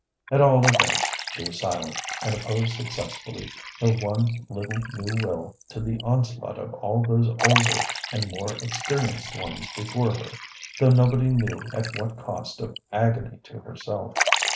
At all events she was silent, and opposed successfully her one little new will to the onslaught of all those older and more experienced ones before her, though nobody knew at what cost of agony to herself.